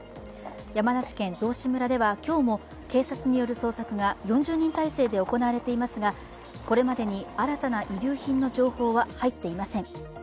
山梨県道志村では今日も、警察による捜索が４０人態勢で行われていますがこれまでに新たな遺留品の情報は入っていません。